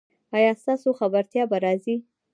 ایا ستاسو خبرتیا به راځي؟